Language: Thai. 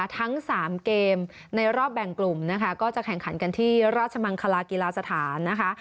ทั้ง๓เกมในรอบแบ่งกลุ่มนะคะก็จะแข่งขันกันที่ราชมังคลากีฬาสถานนะคะ